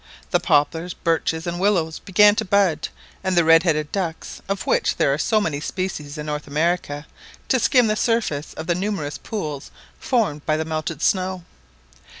The poplars, birches, and willows began to bud, and the redheaded ducks, of which there are so many species in North America, to skim the surface of the numerous pools formed by the melted snow.